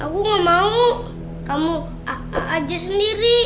kamu ah ah aja sendiri